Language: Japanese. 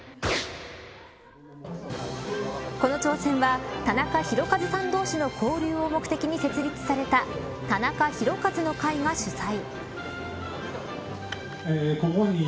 この挑戦はタナカヒロカズさん同士の交流を目的に設立された田中宏和の会が主催。